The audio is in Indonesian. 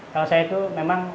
kalau saya itu memang